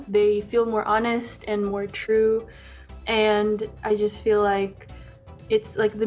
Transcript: tapi mereka merasa lebih jujur dan lebih benar